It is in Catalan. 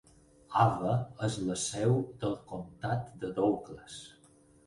Ava és la seu del comtat de Douglas.